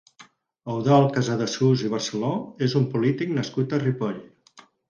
Eudald Casadesús i Barceló és un polític nascut a Ripoll.